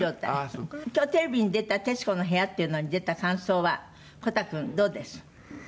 今日テレビに出た『徹子の部屋』っていうのに出た感想はコタ君どうです？